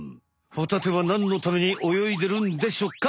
ホタテは何のために泳いでるんでしょうか？